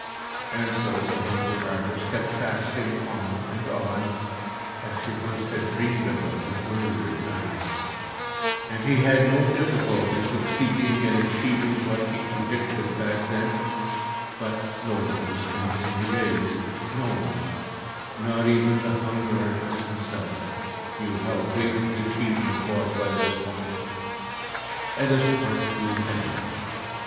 And so the hunger artist kept fasting on and on, as he once had dreamed about in earlier times, and he had no difficulty succeeding in achieving what he had predicted back then, but no one was counting the days—no one, not even the hunger artist himself, knew how great his achievement was by this point, and his heart grew heavy.